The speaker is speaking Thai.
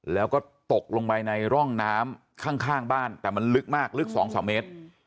แล้วก็ตกลงไปในร่องน้ำข้างบ้านแต่มันลึกมากลึก๒๓เมตร